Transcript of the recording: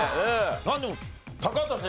なんでも高畑さん